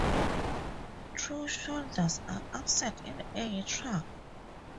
True shoulders are absent in elytra.